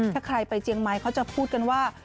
ถ้าใครไปเจียงไม้เขาจะพูดกันว่า